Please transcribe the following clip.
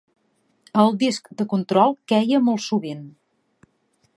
El disc de control queia molt sovint.